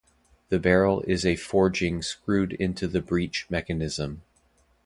The barrel is a forging screwed into the breech mechanism.